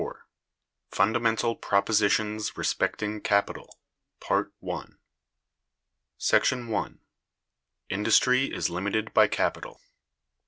Fundamental Propositions Respecting Capital. § 1. Industry is Limited by Capital.